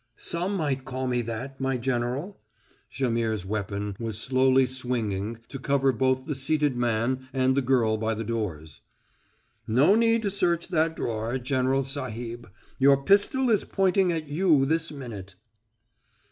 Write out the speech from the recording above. "Some might call me that, my General." Jaimihr's weapon was slowly swinging to cover both the seated man and the girl by the doors. "No need to search that drawer, General Sahib. Your pistol is pointing at you this minute."